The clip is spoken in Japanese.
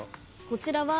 こちらは。